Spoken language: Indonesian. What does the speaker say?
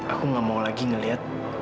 aku gak mau lagi ngelihat